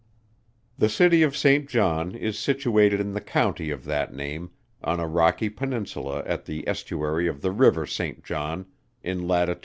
The City of St. John is situated in the county of that name, on a rocky peninsula at the estuary of the river St. John, in lat.